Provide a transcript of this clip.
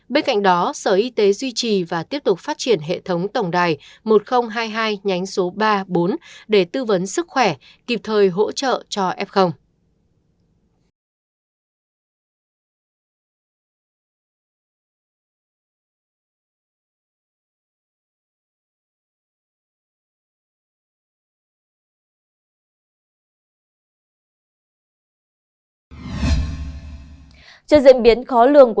bên cạnh đó sở y tế duy trì và tiếp tục phát triển hệ thống tổng đài một nghìn hai mươi hai ba mươi bốn để tư vấn sức khỏe kịp thời hỗ trợ cho f